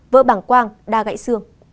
vỡ bảng quang đa gãy xương